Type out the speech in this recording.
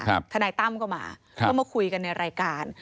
ทนายตั้มก็มาก็มาคุยกันในรายการ